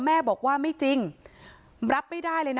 แม่บอกว่าไม่จริงรับไม่ได้เลยนะ